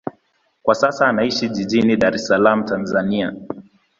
Kwa sasa anaishi jijini Dar es Salaam, Tanzania.